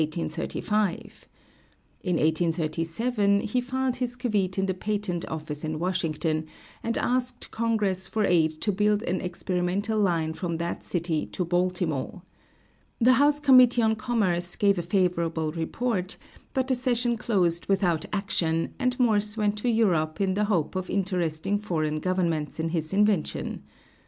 In 1837 he filed his caveat in the Patent Office in Washington, and asked Congress for aid to build an experimental line from that city to Baltimore. The House Committee on Commerce gave a favorable report, but the session closed without action, and Morse went to Europe in the hope of interesting foreign governments in his invention.